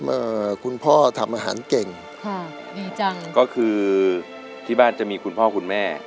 เอ่อคุณพ่อทำอาหารเก่งค่ะดีจังก็คือที่บ้านจะมีคุณพ่อคุณแม่